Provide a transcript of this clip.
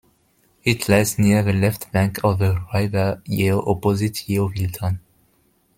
It lies near the left bank of the River Yeo opposite Yeovilton.